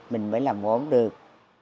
mình mới làm gốm được